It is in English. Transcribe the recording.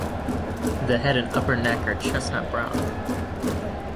The head and upper neck are chestnut brown.